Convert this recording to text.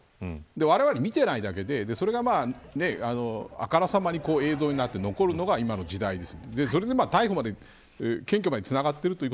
われわれが見ていないだけでそれがあからさまに映像になって残るのが今の時代です。